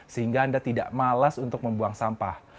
sehingga anda tidak malas untuk membuang sampah